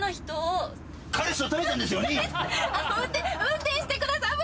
運転してください。